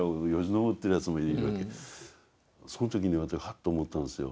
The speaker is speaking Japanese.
その時に私ハッと思ったんですよ。